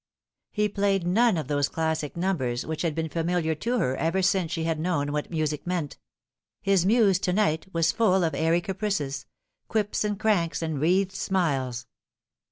He played none of those classic numbers which had been familiar to her ever since she had known what music meant. His muse to night was full of airy caprices, quips and cranks and wreathed smiles.